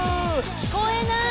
聞こえない。